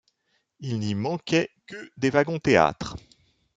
Il n’y manquait que des wagons-théâtres.